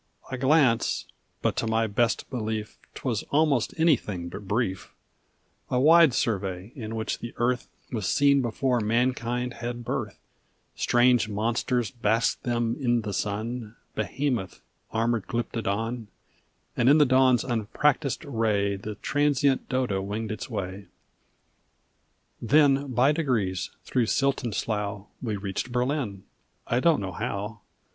A glance, but to my best belief 'Twas almost anything but brief A wide survey, in which the earth Was seen before mankind had birth; Strange monsters basked them in the sun, Behemoth, armored glyptodon, And in the dawn's unpractised ray The transient dodo winged its way; Then, by degrees, through silt and slough, We reached Berlin I don't know how.